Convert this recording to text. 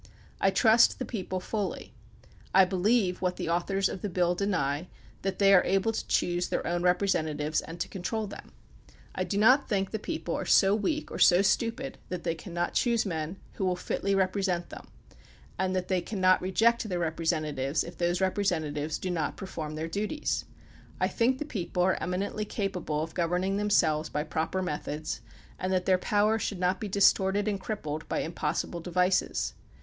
I trust the people fully. I believe, what the authors of the bill deny, that they are able to choose their own representatives and to control them. I do not think the people are so weak or so stupid that they cannot choose men who wiU fitly represent them, and that they cannot reject their representatives if those rep resentatives do not perform their duties. I think the people are eminently capable of governing themselves by proper methods, and that their power should not be distorted and crippled by impossible devices.